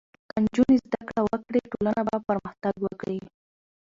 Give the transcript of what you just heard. که نجونې زدهکړه وکړي، ټولنه به پرمختګ وکړي.